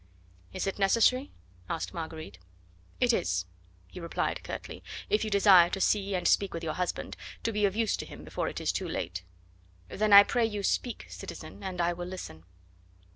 "Is it necessary?" asked Marguerite. "It is," he replied curtly, "if you desire to see and speak with your husband to be of use to him before it is too late." "Then, I pray you, speak, citizen, and I will listen."